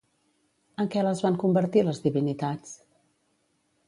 En què les van convertir les divinitats?